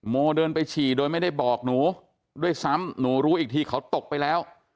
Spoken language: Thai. โมเดินไปฉี่โดยไม่ได้บอกหนูด้วยซ้ำหนูรู้อีกทีเขาตกไปแล้ว